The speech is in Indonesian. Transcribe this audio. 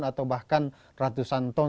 atau bahkan ratusan ton